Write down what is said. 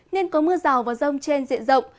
nên có mưa rào và rông trên diện rộng